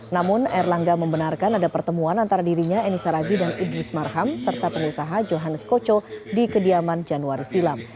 namun erlangga membenarkan ada pertemuan antara dirinya eni saragi dan idrus marham serta pengusaha johannes koco di kediaman januari silam